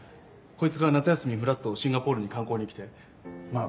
こいつが夏休みにふらっとシンガポールに観光に来てま